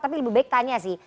tapi lebih baik tanya sih